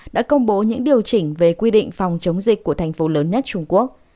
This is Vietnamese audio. đã công bố những điều chỉnh về quy định phòng chống dịch của thành phố lớn nhất trung quốc